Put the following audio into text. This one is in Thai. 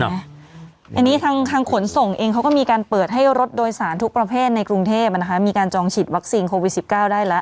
อันนี้ทางขนส่งเองเขาก็มีการเปิดให้รถโดยสารทุกประเภทในกรุงเทพมีการจองฉีดวัคซีนโควิด๑๙ได้แล้ว